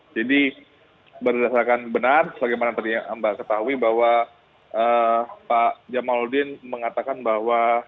jadi berdasarkan benar bagaimana tadi mbak ketahui bahwa pak jamaludin mengatakan bahwa